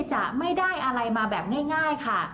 จะไม่ได้อะไรมาแบบง่ายค่ะ